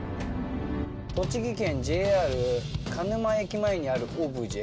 栃木県ＪＲ鹿沼駅前にあるオブジェ。